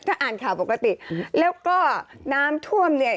ถ้าอ่านข่าวปกติแล้วก็น้ำท่วมเนี่ย